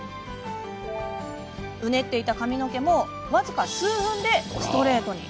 うねっていた髪の毛も僅か数分でストレートに。